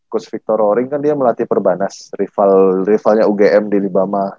coach victor roring kan dia melatih perbanas rivalnya ugm di libama